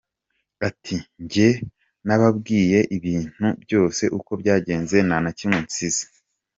Ati “Njye nababwiye ibintu byose uko byagenze nta na kimwe nsize.